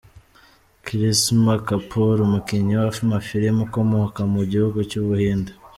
Karisma Kapoor, umukinnyi w’amafilimi ukomoka mu gihugu cy’u Buhinde.